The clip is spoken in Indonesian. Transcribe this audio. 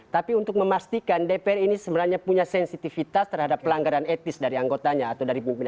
tapi untuk memastikan dpr ini sebenarnya punya sensitivitas terhadap pelanggaran etis dari anggota dpr